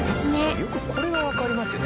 よくこれがわかりますよね